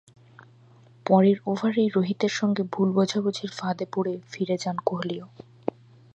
পরের ওভারেই রোহিতের সঙ্গে ভুল বোঝাবুঝির ফাঁদে পড়ে ফিরে যান কোহলিও।